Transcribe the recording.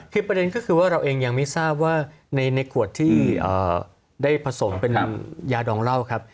คือประเด็นก็คือว่าเราเองยังไม่ทราบว่าในขวดที่ได้ผสมเป็นยาดองเหล้าครับ